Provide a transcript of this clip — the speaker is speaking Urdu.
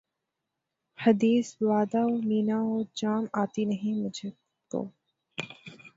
حدیث بادہ و مینا و جام آتی نہیں مجھ کو